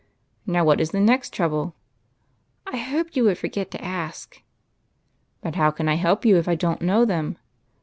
Now what is the next trouble ?"" I hoped you would forget to ask." " But how can I help you if I don't know them